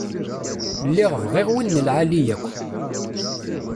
Lliɣ bɣiɣ win n lεali yakk.